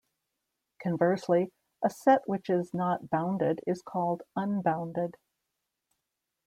Conversely, a set which is not bounded is called unbounded.